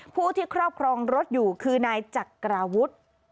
ผู้ที่ครอบครองรถอยู่คือนายจักราวุฒิ